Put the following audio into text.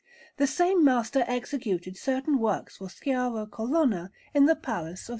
The same master executed certain works for Sciarra Colonna in the Palace of S.